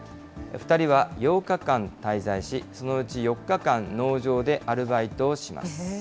２人は８日間滞在し、そのうち４日間、農場でアルバイトをします。